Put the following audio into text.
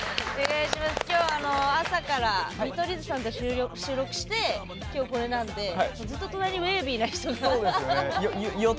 きょう、朝から見取り図さんと収録してきょう、これなのでずっと隣にウェービーな人が。